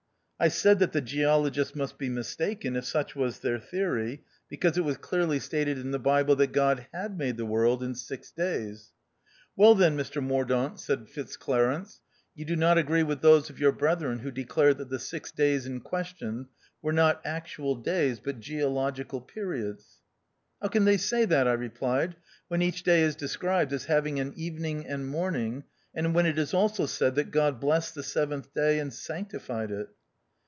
I said that the geologists must be mistaken if such was their theory, because it was clearly stated in 84 THE OUTCAST. the Bible that God had made the world in six days. "Well then, Mr Mordaunt," said Fitz clarence, "you do not agree with those of your brethren who declare that the six days in question were not actual days, but geological periods ?"" How can they say that," I replied, " when each day is described as having an evening and morning, and when it is also said that God ' blessed the seventh day and sanctified it